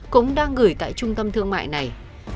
cũng đang gửi tại trung tâm thương mại này